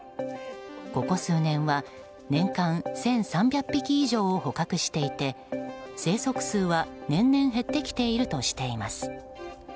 ここ数年は年間１３００匹以上を捕獲していて生息数は年々減ってきているとしています。